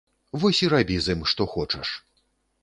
Вось і рабі з ім, што хочаш!